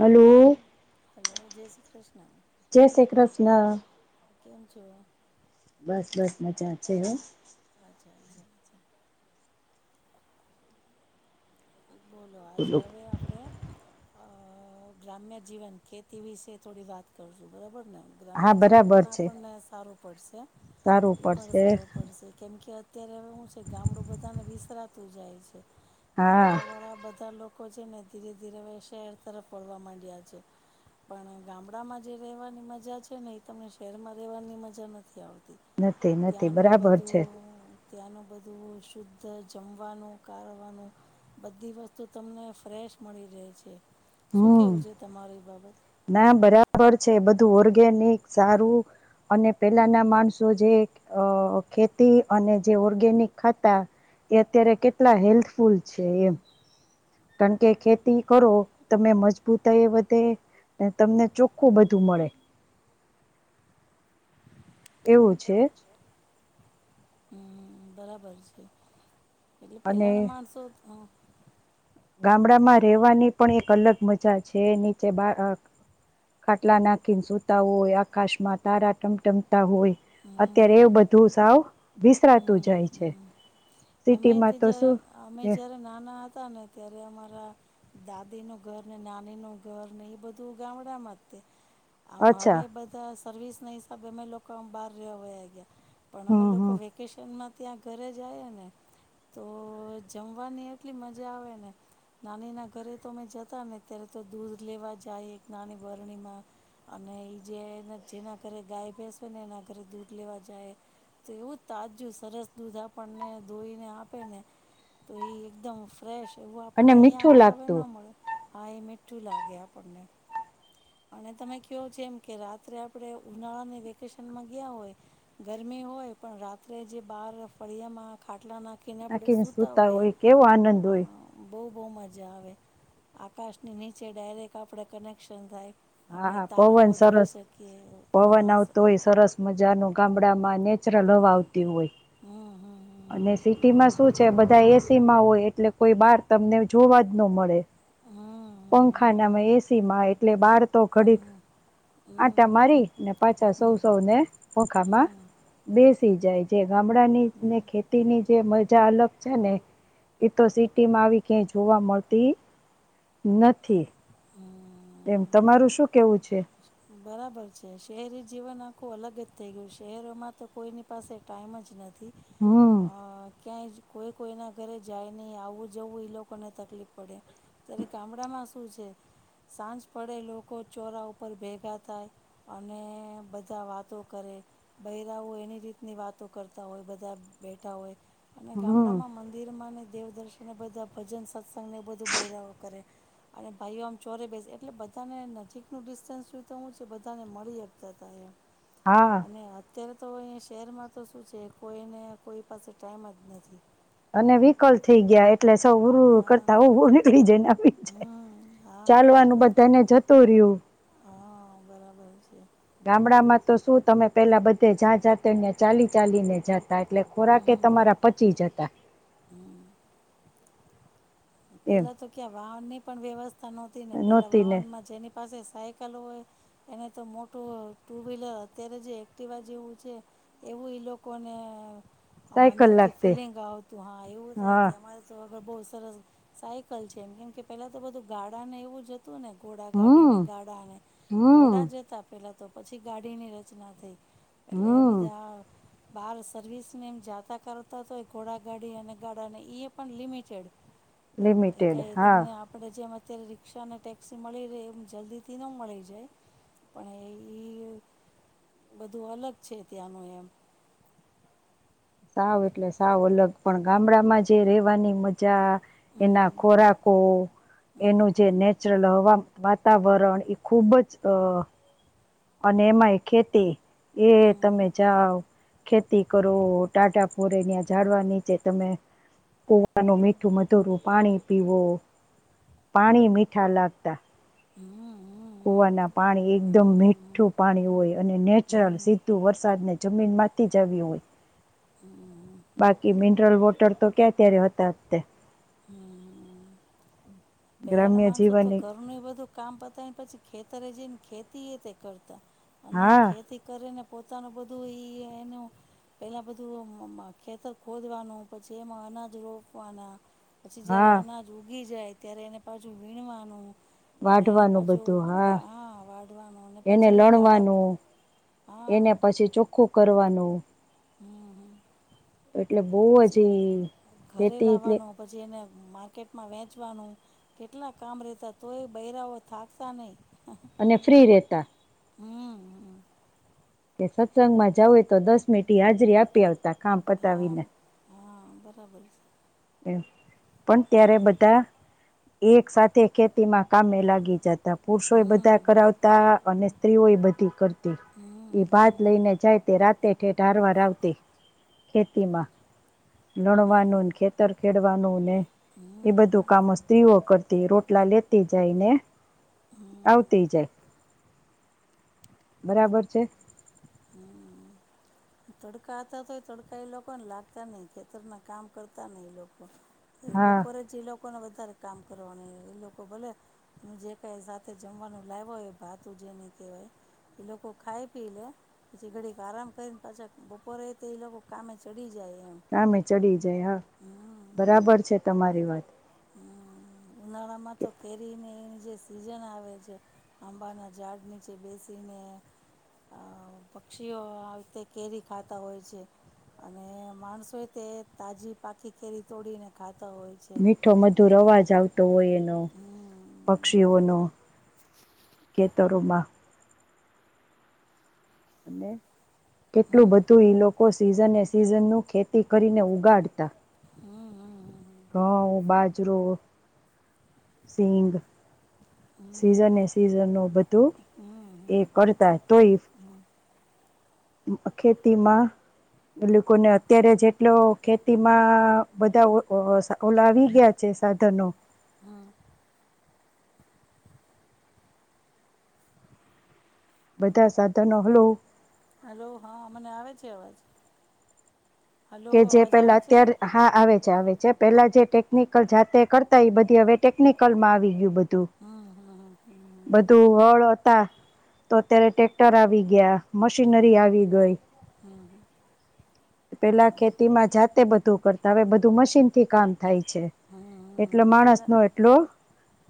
Hello જય શ્રી ક્રૃષ્ન. ના કેમ છો? બસ-બસ મજા છે હો. આચ્છા-આચ્છા. બોલો આજે હવે આપડે અહ ગ્રામ્ય જીવન ખેતી વિશે થોડી વાત કરશું, બરબર ને. ગ્રામ્ય હા જીવન બરાબર પણ છે આપણને સારું પડશે. સારું એ પણ પડશે સારું પડશે કેમ કે અત્યારે હવે હું છે ગામડું બધાને વિસરાતું જાય છે. હા ગામડા વાળા બધા લોક લોકો છે ને ધીરે ધીરે હવે શહેર તરફ વળવા માંડ્યા છે. પણ ગામડામાં જે રહેવાની મજા છે ને એ તમને શહેરમાં રહેવાની મજા નથી આવે. નથી-નથી બરાબર છે. ત્યાંનું બધું શુદ્ધ જમવાનું કારવાનું બધી વસ્તુ તમને ફ્રેશ મળી રહે છે. શું હમ કેવું છે તમારી એ બાબત? ના બરાબર છે. બધું ઓર્ગેનિક સારું અને પેલાના માણસો જે અહ ખેતી અને જે ઓર્ગેનિક ખાતા એ અત્યારે કેટલા હેલ્થફુલ છે એમ. કારણ કે ખેતી કરો તમે મજબૂતાઈ એ વધે ને તમને ચોખ્ખું બધું મળે. એવું છે. હમ બરાબર છે. એટલે અને પેલાના માણસો અહ ગામડામાં રહેવાની પણ એક અલગ મજા છે. નીચે બા અહ ખાટલા નાખીને સૂતા હોય, આકાશમાં તારા ટમટમતા હોય, અત્યારે એવું હમ બધું સાવ હમ વિસરાતું જાય હમ છે. હમ. અમે સિટીમાં તે તો જયારે શું અમે એ જયારે નાના હ તા ને ત્યારે અમારા દાદી નું ઘર ને નાની નું ઘર ને ઈ બધું ગામડામાં તે આમ અચ્છા હવે બધા સર્વિસ ના હિસાબે અમે લોકો આમ બહાર રહેવા વયા ગયા. પણ અમે હમ લોકો હમ વેકેશનમાં ત્યાં ઘરે જાય અને તો જમવાની એટલી મજા આવે ને, નાની ના ઘરે તો અમે જતા ને ત્યારે તો દૂધ લેવા જાય એક નાની બરણીમાં, અને ઈ જે જેના ઘરે ગાય ભેંસ હોય ને એના ઘરે દૂધ લેવા જાય તો એવું તાજું સરસ દૂધ આપણને દોહીને આપે ને તો એ એકદમ ફ્રેશ એવું આપણે અને અહીંયા મીઠું આગળ હવે ન લાગતું મળે. હા એ મીઠું લાગે આપણને. અને તમે કયો જેમ કે રાત્રે આપણે ઉનાળાની વેકેશનમાં ગયા હોય ગરમી હોય પણ રાત્રે જે બાર ફળિયામાં ખાટલા નાખ નાખીને સુતા હોય કેવો આનંદ હોય. બહુ-બહુ મજા આવે. આકાશની નીચે ડાયરેક આપણે કનેક્શન થાય. અને હા પવન તારાઓ જોઈ સરસ શકીએ અ, પવન સ- આવતો હોય સરસ મજા નું કામ [unintelligible] માં નેચરલ હવા આવ તી હોય, હમ હમ અને હમ સિટીમાં શું છે બધા એસ સી માં હોય એટલે કોઈ બાર તમને જોવા જ ન મળે. હમ પંખા ના માં ને એસી માં એટલે બાર તો ઘડીક હમ હમ આટા મારી ને પાછા હમ હમ હમ હમ હમ સૌ સૌને ખોખામાં બેસ સી જાય જેમ. ગામડા ની હમ ને હમ ખેતીની જે મજા અલગ છે ને એતો સિટી માં આવી ક્યાય જોવા મળતી નથી. એમ. હમ તારું શું કેવું છે? બરાબર છે. શહેરી જીવન આખું અલગ જ થઈ ગયું. શહેરોમાં તો કોઈની પાસે ટાઈમ જ નથ થી હમ અહ ક્યાંય જ કોઈ કોઈના ઘરે જાય નહીં, આવવું જવું એ લોકોને તકલીફ પડે, ત્યારે ગામડામાં શું છે સાંજ પડે લોકો ચોરા ઉપ પર ભેગા થાય અને બધા વાતો કરે બૈરાઓ એની રીતની વાતો કરતા હોય બધા બેઠા હોય. અને હમ ગામડામાં મંદિર માંને દેવદર્શનને બધા ભજન સત્સંગને એ બધું બૈરાવો કરે અને ભાઈઓ આમ ચોરે બેસે એટલે બધાને નજીકનું [unintelligible] [unintelligible] છે બધાને મળીતા હકતા એમ હા અને અત્યારે તો અહીંયા શહેરમાં તો શું છે કોઈને કોઈ પાસે ટાઈમ જ નથી. અને વિકલ થઈ ગયા એટલે સૌ [unintelligible] હા કરતા [unintelligible] નીકળી જાય [unintelligible] હમ હા ચાલવાનું બરા બધાને જતું રહ્યું. હા બરાબર છે. ગામડામાં તો શું તમે પેલા બધે જ્યાં જાતેં ચાલી ચાલીને જાતા- તા એટલે ખોરાક એય હમ તમારા પચી જતા. હમ એમ પેલા તો ક્યા વાહનને પણ વ્યવસ્થ થા નહોતી ને પેલા નહોતી ને વાહન માં જેની પાસે સાયકલ હોય એને તો મોટું ટુવ્હીલર અત્યારે જે એક્ટિવા જેવું છે એવું ઈ લોકોને અહ અંદર સાયકલ થી લાગતી ફિલિંગ આવતું હા એવું થાય હા કે અમારે તો પણ બહુ સરસ સાયકલ છે એમ કેમ કે પેલા તો બધું ગાડા ને એવું જ હ તું ને, ઘોડા ગાડીને હમ ગાડાને હમ ઘોડા જ હતા પેલા. તો પછી ગાડીની રચના થઈ. એટલે હમ બધા બહાર સર્વિસને એમ જાતા કરતા તોય ઘોડા ગાડી અને ગાડા ને ઈ એ પણ લિમિટેડ. લિમિટેડ કઈ હા તમને આપડે જેવા અત્યારે રીક્ષા અને ટેક્સી મળી રહે એમ જલ્દીથી ન મળી જાય, પણ એ ઇ બધું અલગ છે ત્યાંનું એમ સાવ એટલે સાવ અલગ પણ ગામડામાં જે રહેેવાની મજા એના હમ ખોરાકો, એનું જે નેટ જલ હવા વાતાવરણ એ ખૂબ જ અહ અને એમાંય ખેતી એય હમ તમે જાઓ ખેતી કરો, ટાઢાપોરે ન્યાં ઝાડવા નીચે તમે કુવાનું મીઠું મધુરું પાણી પીવો, પાણી મીઠા લાગતા હમ્મ. કુવાના પાણી એકદમ મીઠું પાણી હોય અને નેચરલ હમ સીધું વરસાદ ને જમીનમાંથી જ આવ્યું હોય. હમ્મ. બાકી મિનરલ વોટર તો ક્યાં ત્યારે હતા તે. હમ્મ. પહેલા ના ગ્રામ્ય માણસો તો જીવનની ઘર નુંય બધું કામ પતાય ને પછી ખેત તરે જે ખેતી એ તે કરતા અને હા, ખેતી કરીને પોતાનું બધું ઈ એનું પેલા [unintelligible] બધું ખેતર ખોદવાનું પછી એમાં અનાજ રોપવાના પછી જયારે હા. અનાજુ થી જાય ત્યારે એને પાછું વીણવાનું અને એના વાઢવાનું પાછું બધું હા, ગા વાઢવાનું અને એને પછી ગાડા લણવાનું, હા એને પછી ચોખ્ખું કરવાનું હમ્મ. બહુ [inaudible] જ પછી ઈ ઘરે ખેતી એટલે લાવવાનું પછી એને માર્કેટમાં વેંચ ચવાનું કેટલા કામ રેતા, તોય બૈરાઓ થાકતા નઈ. અને ફ્રી રહેતા. હમ કે સત્સંગમાં જાવુ હોય તો દસ મિનટ ઈ હાજરી આપી આવ કામ હા પતાવી ને હા બરાબર છે. એમ. પણ ત્યારે હમ બધા એક સાથે ખેતીમાં કામે લાગી જા તા પુરુષોય હમ બધા કરાવતા અને સ્ત્રીઓય બધી કરતી, હમ એ ભાત હમ લઈને જાય તે રાત ઠેઠ ઠેઠ ઢારવા રાખ દે, ખેતીમાં નણવા નૂ ને ખે તર ખેડવાનું ને એ હમ બધું કામો સ્ત્રીઓ કર તી રોટલા લેતી જાય ને આવતી જાય. બરાબર છે. હમ્મ. તડકા હતા તોય તડકા એ લોકોને લાગતા નઈ ખેતર ના કામ કરતા નને એ લોકો. એ હા બપરે જે લોકોક. લોકોને વધારે કામ કરવાનું એ લોકો ભલે જે કાંઈ સાથે જમવાનું લાવવાય એ ભાતું જેને કહેવાય એ લોકો ખાઈ પી લે પછી ઘડીક આરામ કરીને. પાછા બપોરે તો એ લોકો કામે ચડી જાય. એમ કામે ચડી જાય હમ બરાબર છે તમારે. ધન્યવાદ. ઉનાળામાં તો કેરીની એની જે સીઝન આવે છે આંબાના ઝાડ નીચે બેસીને પક્ષીઓ આ રીતે કેરી ખાતા હોય છે અને માણસોએ તે તાજી પાખી કેરી તોડીને ખાત. તવાય છે. મીઠો મધુર અવાજ આવતો હોય એ. હમ પક્ષીઓ ન. કે તરમા. અને. કેટલું હમ બધું ઈ લોકો સીઝન લોકો એ છે. સિઝન નું ખેતી. કરીને ઉગાડતા. હમ હમ ક ઈ બાજ અજરો સિંઘ. હમ સિઝને સિઝન ન બધું એ કરતા તોય. ખેતીમાં એ લોકોને અત્યારે જેટલો ખેતીમાં બધા ઓલા આવી ગયા છે સાધનો. હમ બધા સાધનો હલો. હલો હા મને આવે છે અવાજ. હલો કે જે અવાજ પેલા આવે છે અત્ય્યારે હા આવે છે આવે છે. જે પેલા જે ટેકનિકલ જાતે કરતા એ બધી હવે ટેકનિકલમાં આવી ગયું બધું. હમ હમ હમ હમ [inaudible] બધું હળ હતા. તો અત્યારે ટેક્ટર આવી ગયા. મશીનરી હમ આવી ગઈ. હમ હમ પેલા હા ખેતી માં જાતે બધું કરતા હ બધું મશીન થી કામ થાય છે. એટલે હમ માણસ પેલા નો એટલો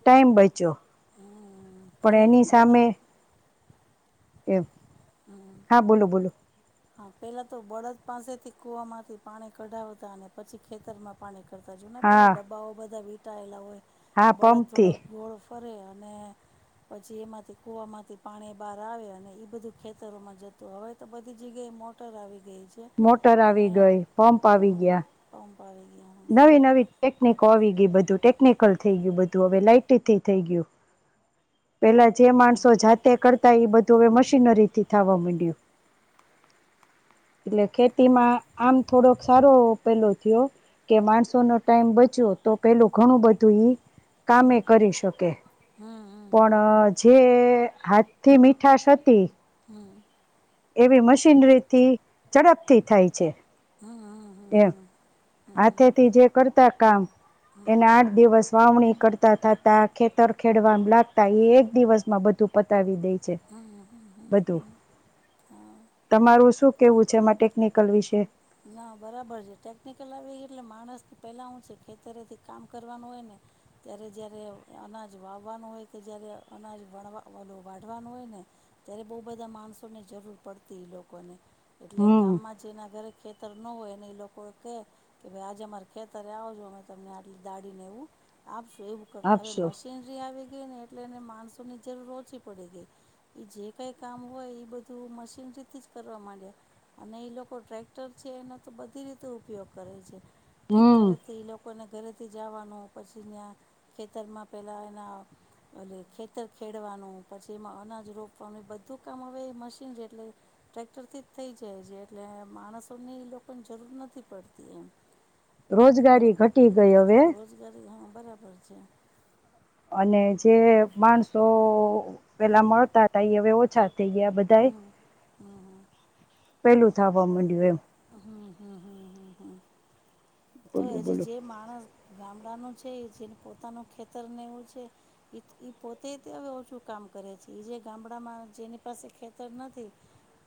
ટાઈમ બયચો. હમ પણ પેલા તો એની સામે બળદ એમ હમ હા, બોલો બોલો. પેલા તો બળદ પાસેથી કૂવામાંથી પાણી કઢાવતા અને પછી ખેતરમાં પાણી જોને પેલા હા ડબ્બાઓ બધા વી સાઇલા હોય. હા બળા પંપથી થોડા ગોળ કરે અને પછી એમાંથી કૂવામાંથી પાણી બહાર આવે અને એ બધું ખેતરોમાં જતું હવે તો બધી જગ્યા મોટર આવી. મોટર આવી અને ગઈ. પંપ આવી હમ ગયા. પંપ આવી ગયા નવી નવી ટેક્નિક આવી ગઈ. બધું ટેક્નિકલ થઈ ગયું. બધું હવે લાઇટથી થઈ ગયું. પેલા જે માણસો જાતે કરતા એ બધું હવે મશીનરી થી થવા માંડ્યું. એટલે ખેતીમાં આમ થોડોક સારો પેલો થયો. કે માણસો નો ટાઈમ બચ્યો તો પેલું ઘણું બધું ઈ. કામે કરી શકે, હમ હમ હમ પણ જે હાથ થી મીઠાશ હતી. એવી મશીનરીથી ઝડપથી થાય છે. હમ હમ હમ હમ હમ એમ. હમ હમ હમ હાથેથી જે કરતા કામ એના આઠ દિવસ વાવણી કરતા થાતા, ખેતર ખેડવા લાગતા, એ એક દિવસ માં બધું પતાવી દેય. બધું તમારું શું કે કેવું છે એમાં ટેકનિકલ વિશે? ના બરાબર છે. ટેક્નિકલ આવે એટલે માણસ પહેલા હું છે ખેતરેથી કામ કરવાનું હોય ને ત્યારે જ્યારે અનાજ વાવવાનું હોય કે જયારે અનાજ વણ ઓલું વાઢવાનું હોય ને ત્યારે બહુ બધા માણસોની જરૂર પડતી લોકોને. એટલે હમ ગામમાં જે ના ઘરે ખેતર ન હોય એને ઈ લોકો એ કહે કે ભાઈ આજે અમારે ખેતરે આવજો અમે તમને આટલી દાળીને એવું આપશું. એવું કરતા આપશો મશીનરી આવી ને એટલે એને માણસોની જરૂર ઓછી પડે ગઈ, એ જે કઈ કામ હોય ઈ બધું મશીનરીથી જ કરવા માંડ્યા અને ઈ લોકો ટ્રેક ટ્રેક્ટર છે. એનો તો બધી રીતે ઉપયોગ કરે છે. હમ ટ્રેક્ટર તે લોકો લોકોને ઘરેથી જવાનું પછી ત્યાં ખેતરમાં પહેલાં એના ખેતર ખેડવાનું પછી એમાં અનાજ રોપવાનું એ બધું કામ હવે એ મશીન છે. એટલે ટ્રેક્ટરથી જ થઈ જાય છેહ એટલે માણસ તેને લોકોને જરૂર નથી પડતી એમ. તો રોજગારી ઘટી ગઈ હવે. રોજગારી હા બરાબર છે. અને જે માણસો પહેલાં મળતા હતા. એ હવે ઓછા થેય ગયા બધાાયે હમ હમ થાવા મંડીયુ એમ. હમ હમ હમ હ હ. તો બોલો બોલો હજી જે માણસ ગામડાનું છે એ જેને પોતાનું ખેતરને એવું છે એ એ પોતે તે હવે ઓછું કામ કરે છે એ જે ગામડામાં જેની પાસે ખેતર નથી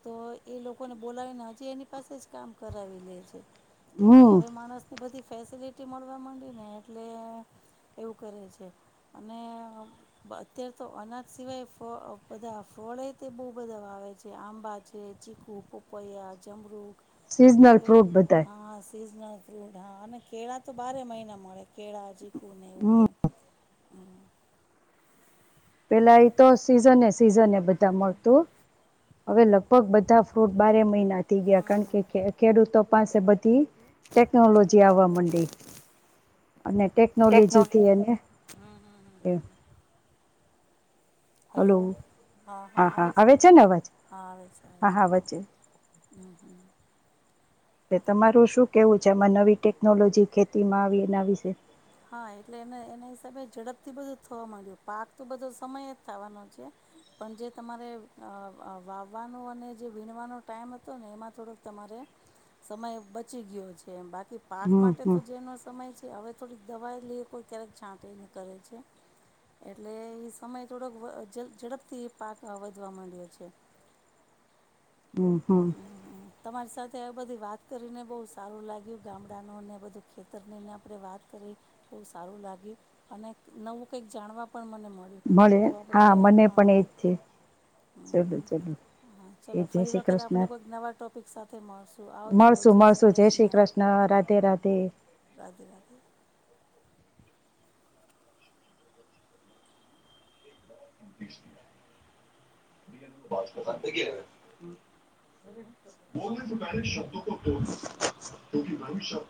તો એ લોકોને બોલાવીને હજી એની પાસે જ કામ કરાવી લે છે. કેમ કે હમ હવે માણસ બધી ફેસિલિટી મળવા માંડી ને એટલે એવું કરે છે અને અત્યારે તો અનાજ સિવાય ફ બધા ફળે તે બહુ બધા વાવે છે આંબા છે ચીખુ પપૈયા જમરૂ સિઝનલ ફૂટ બધા સ્રીઝના ફ્રૂટ હા અને કેળા તો બારે મહિના મળે. કેા અજી કોનેને ઉ હમ પેલા એ તો સિઝન સિઝન એ બધા મળતું હવે લગભગ બધા ફ્રૂટ બારે મહિના. નથી ગયા કાણ કે ખે ખેડૂતો પાસે બધી ટેકનોલોજી આવવા મંડી અને ટેકનોલોજી ટેકનોલેજીથી એને એ હલો, હાં, હાં હા આવે હા છે? ને અવાજ હાં આવે હા છે. હા વચ્ચે તે તમારું શું કેવું છે? આમાં નવી ટેકનોલોજી ખેતીમાં આવી એના વિશે. હા એટલે એને એના હિસાબે ઝડપથી બધું થવા માંય્ડુ, પાક તો બધો સમય જ થાવાનો છે, પણ જે તમારે અ અ વાવવાનો અને જે વીણવાનો ટાઈમ હતો ને એમાં થોડોક તમારે સમય બચી ગયો છે, બા કી પાક હમ માટે હમ તો જેનો સમય છે હવે થોડી દવા લઈ કોઈ ક્યારેક છાંટી ન કરે છે, એટલે એ સમય થોડોક વ ઝડપથી પાક વધવા માંડ્યો છે. હમ હમ તમારી સાથ થે બધી વાત કરીને બહુ સારું લાગ્યું, ગામડાનુંને બધું ખેતરનીને આપણે વાત કરી બહુ સારું લાગ્યું અને નવું કંઈક જાણવા પણ મને મળ્યું, મળે તો આપણે હા મને પણ હાં, એજ છે હાં, ચલું હં, ચલું હા એ ચલોો જય ફરી શ્રી વખત આપ કૃષ્ણ આપડે કોઈક નવા ટોપિક સાથે મળશું, આવજો મળશું જે શ્રી મળશું જય ક્રષ્ણ. કૃષ્ણ રાધે રાધે [unintelligible] બોલને તુ પહેલે શબ્દો બોલ [unintelligible]